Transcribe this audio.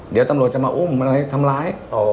เดี๋ยวตำรวจจะมาอุ้มอะไรทำร้าย